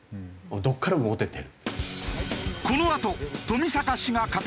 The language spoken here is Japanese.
どこからもモテてる。